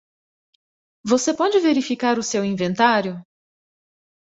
Você pode verificar o seu inventário?